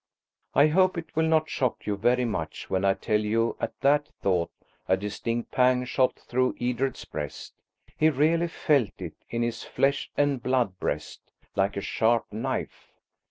I hope it will not shock you very much when I tell you at that thought a distinct pang shot through Edred's breast. He really felt it, in his flesh and blood breast, like a sharp knife.